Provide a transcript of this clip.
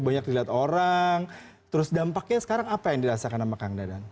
banyak dilihat orang terus dampaknya sekarang apa yang dirasakan sama kang dadan